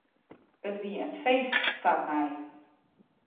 It wie in feest foar my.